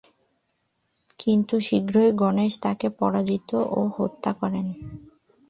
কিন্তু শীঘ্রই গণেশ তাঁকে পরাজিত ও হত্যা করেন।